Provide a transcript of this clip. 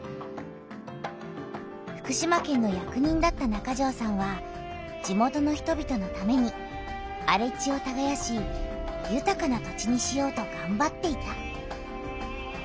福島県の役人だった中條さんは地元の人びとのためにあれ地をたがやしゆたかな土地にしようとがんばっていた。